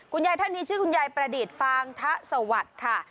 ท่านนี้ชื่อคุณยายประดิษฐ์ฟางทะสวัสดิ์ค่ะ